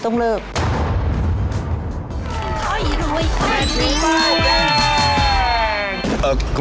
โอ้โฮ